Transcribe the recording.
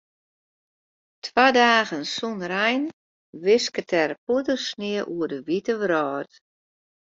Twa dagen sonder ein wisket der poeiersnie oer de wite wrâld.